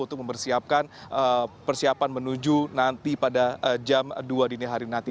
untuk mempersiapkan persiapan menuju nanti pada jam dua dini hari nanti